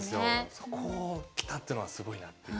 そこを来たっていうのはすごいなっていう。